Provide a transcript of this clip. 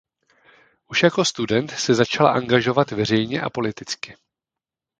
Už jako student se začal angažovat veřejně a politicky.